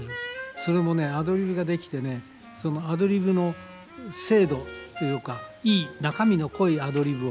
それもねアドリブができてねそのアドリブの精度というかいい中身の濃いアドリブを。